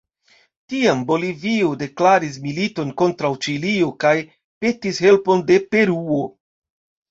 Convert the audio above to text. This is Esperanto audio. Tiam Bolivio deklaris militon kontraŭ Ĉilio kaj petis helpon de Peruo.